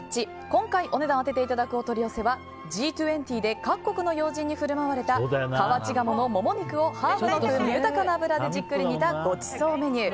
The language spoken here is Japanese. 今回お値段を当てていただくお取り寄せはＧ２０で各国の要人に振る舞われた河内鴨のモモ肉をハーブの豊かな香りの油で煮た、ごちそうメニュー。